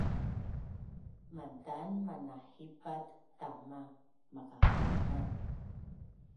Mantan manahipat tama maqaqainan